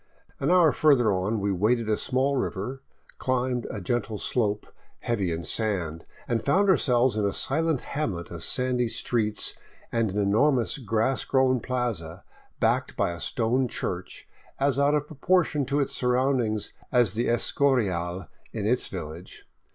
An hour further on we waded a small river, climbed a gentle slope heavy in sand, and found ourselves in a silent hamlet of sandy streets and an enormous grass grown plaza backed by a stone church, as out of proportion to its siu*roundings as the Escorial in its village.